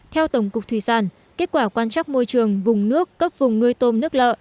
theo tổng cục thủy sản kết quả quan trắc môi trường vùng nước cấp vùng nuôi tôm nước lợ